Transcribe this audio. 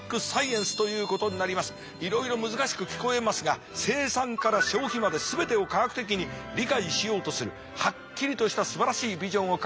いろいろ難しく聞こえますが生産から消費まで全てを科学的に理解しようとするはっきりとしたすばらしいビジョンを掲げている大学です。